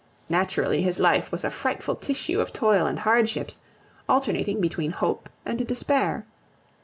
Naturally his life was a frightful tissue of toil and hardships, alternating between hope and despair.